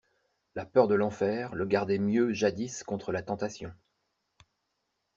La peur de l'enfer le gardait mieux jadis contre la tentation.